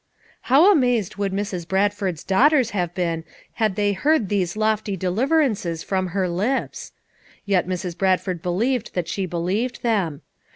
How amazed would Mrs. Bradford's daugh ters have been had they heard these lofty de liverances from her lips! Yet Mrs, Bradford believed that she believed them.